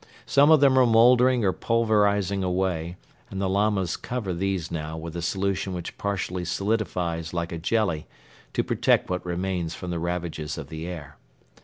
Some of them are mouldering or pulverizing away and the Lamas cover these now with a solution which partially solidifies like a jelly to protect what remains from the ravages of the air.